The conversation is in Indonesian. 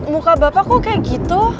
muka bapak kok kayak gitu